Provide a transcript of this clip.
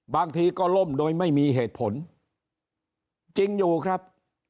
บางทีก็ล่มโดยไม่มีเหตุผลจริงอยู่ครับ